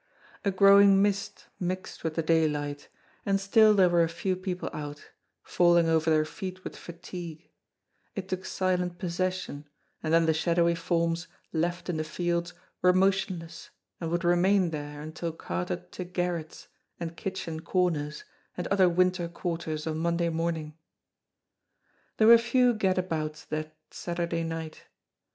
A growing mist mixed with the daylight, and still there were a few people out, falling over their feet with fatigue; it took silent possession, and then the shadowy forms left in the fields were motionless and would remain there until carted to garrets and kitchen corners and other winter quarters on Monday morning. There were few gad abouts that Saturday night.